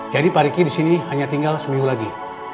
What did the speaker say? jadi pak hargi di sini hanya tinggal seminggu lagi